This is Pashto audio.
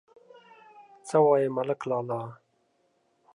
_څه وايې ملک لالا ؟